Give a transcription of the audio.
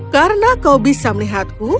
karena kau bisa melihatku